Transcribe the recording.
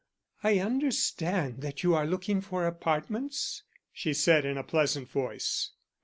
"I understand that you are looking for apartments?" she said in a pleasant voice.